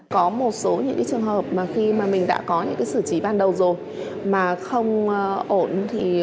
có một số những trường hợp mà khi mà mình đã có những xử trí ban đầu rồi mà không ổn thì